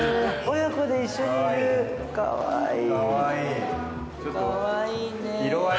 親子で一緒にいる、かわいい！